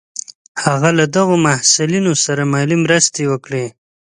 هغه له دغو محصلینو سره مالي مرستې وکړې.